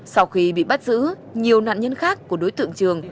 sau khi bị bắt giữ nhiều nạn nhân khác của đối tượng trường